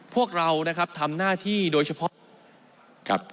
พวกเรานะครับทำหน้าที่โดยเฉพาะครับ